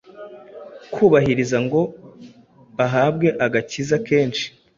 kubahiriza ngo bahabwe agakiza kenshi